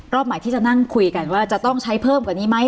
ใหม่ที่จะนั่งคุยกันว่าจะต้องใช้เพิ่มกว่านี้ไหม